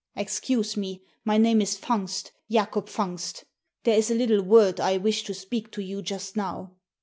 "Excuse me, my name is Fungst, Jacob Fungst There is a little word I wish to speak to you just now."